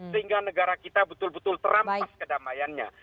sehingga negara kita betul betul terampas kedamaiannya